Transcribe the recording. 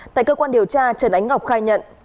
tại cơ quan điều tra trần ánh ngọc khai nhận